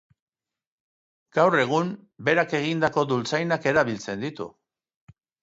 Gaur egun, berak egindako dultzainak erabiltzen ditu.